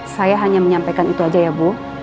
saya hanya menyampaikan itu aja ya bu